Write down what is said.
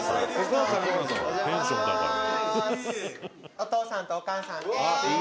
「お父さんとお母さんです」